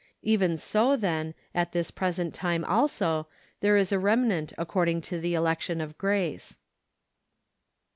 " Even so, then , at this present time also , there is a remnant according to the election of grace."